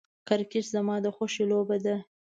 کرکټ زما د خوښې لوبه ده .